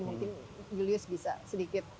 mungkin julius bisa sedikit